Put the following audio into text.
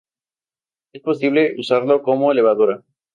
Es posible usarlo como levadura.